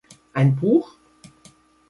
Ein Buch?